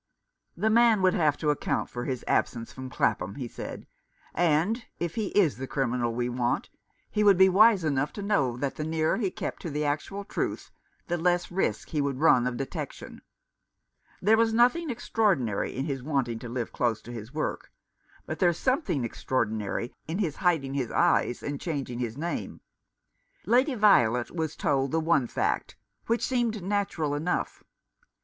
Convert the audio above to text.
" The man would have to account for his absence from Clapham," he said, " and, if he is the criminal we want, he would be wise enough to know that the nearer he kept to the actual truth the less risk he would run of detection. There was nothing extraordinary in his wanting to live close to his work, but there's something extraordinary in his hiding his eyes, and changing his name. Lady Violet was told the one fact — which seemed natural enough.